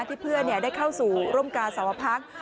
เพื่อนได้เข้าสู่ร่มกาสวพัก